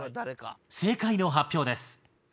正解の発表です。